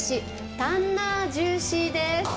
タンナージューシーです。